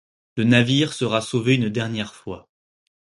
Le navire sera sauvé une dernière fois.